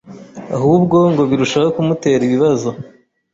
ahubwo ngo birushaho kumutera ibibazo